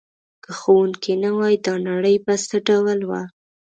که ښوونکی نه وای دا نړۍ به څه ډول وه؟